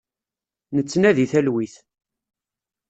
Nettnadi talwit.